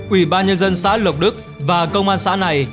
ủy ban nhân dân xã lộc đức và công an xã này